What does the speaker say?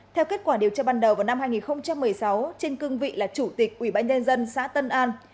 theo kết quả điều tra ban đầu vào năm hai nghìn một mươi sáu trên cương vị là chủ tịch ủy ban nhân dân xã tân an